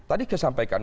tadi saya sampaikan